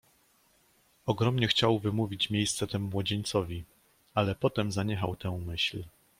"Ogromnie chciał wymówić miejsce temu młodzieńcowi, ale potem zaniechał tę myśl."